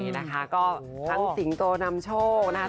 นี่นะคะก็ทั้งสิงโตนำโชคนะคะ